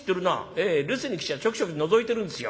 「ええ留守に来ちゃちょくちょくのぞいてるんですよ」。